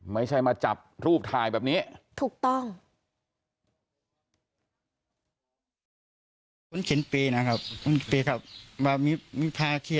ไม่ใช่มาจับรูปถ่ายแบบนี้